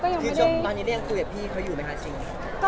ก็ยังติดต่อกันค่ะ